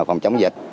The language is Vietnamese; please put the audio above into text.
phòng chống dịch